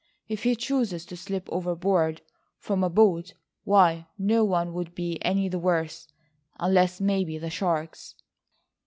If he chooses to slip overboard from a boat, why no one would be any the worse, unless maybe the sharks."